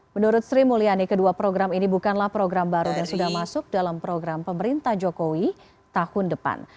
menurut sri mulyani kedua program ini bukanlah program baru dan sudah masuk dalam program pemerintah jokowi tahun depan